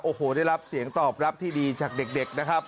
โอ้โหได้รับเสียงตอบรับที่ดีจากเด็กนะครับ